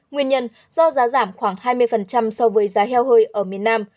nguyên nhân do giá giảm khoảng hai mươi so với giá heo hơi ở miền nam